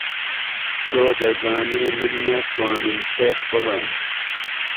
تۆ دەزانی من ناتوانم پێت بڵێم.